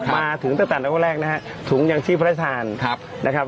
มาถึงตั้งแต่ละครั้งแรกนะครับถุงยังชีพพระราชทานนะครับ